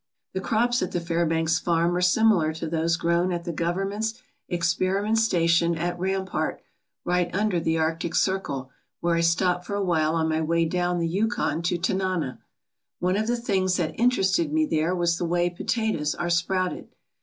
The crops at the Fairbanks farm are similar to those grown at the Government's experiment station at Ram part right under the Arctic Circle where I stopped for awhile on my way down the Yukon to Tanana. One of the things that interested me there was the way potatoes are sprouted.